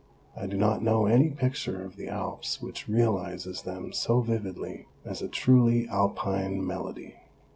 I do not know any picture of the Alps which realises them so vividly as a truly Alpine melody.